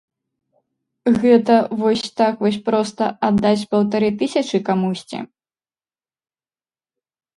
Гэта вось так вось проста аддаць паўтары тысячы камусьці.